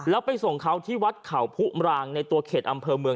แล้วไปส่งเขาที่วัดเขาผู้มรางในตัวเขตอำเภอเมือง